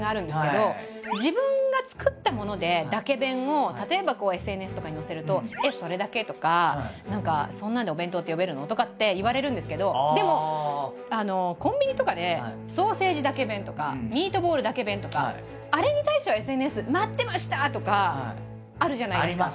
自分が作ったものでだけ弁を例えばこうＳＮＳとかに載せると「えっそれだけ？」とか何か「そんなんでお弁当って呼べるの？」とかって言われるんですけどでもコンビニとかでソーセージだけ弁とかミートボールだけ弁とかあれに対してはＳＮＳ「待ってました！」とかあるじゃないですか。